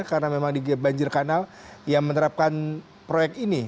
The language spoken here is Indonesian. karena memang digiap banjir kanal yang menerapkan proyek ini